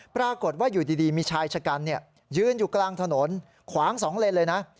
ปรากฏว่าอยู่ดีมีชายชะกันยืนอยู่กลางถนนขวาง๒เลนเลยนะ